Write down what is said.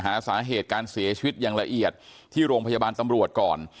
หาสาเหตุการเสียชีวิตอย่างละเอียดที่โรงพยาบาลตำรวจก่อน